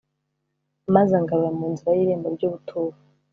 Maze angarura mu nzira y’irembo ry’ubuturo